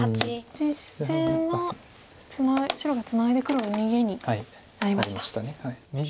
実戦は白がツナいで黒が逃げになりました。